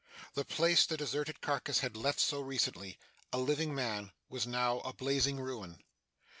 The place the deserted carcass had left so recently, a living man, was now a blazing ruin.